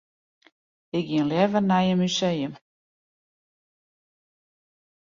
Ik gean leaver nei in museum.